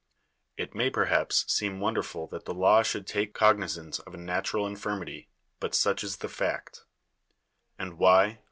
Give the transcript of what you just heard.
It may, perhaps, seem wonderfnl that the law should take cognizance of a natural infirmity, but such is the fact. And why?